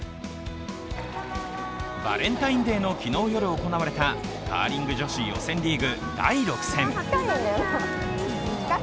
バレンタインデーの昨日夜行われたカーリング女子予選リーグ第６戦。